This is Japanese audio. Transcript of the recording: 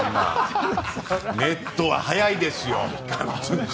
ネットは速いですよ。